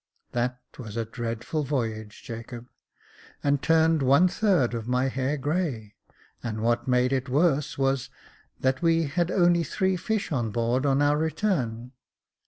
That was a dreadful voyage, Jacob, and turned one third of my hair grey ; and what made it worse was, that we had only three fish on board on our return.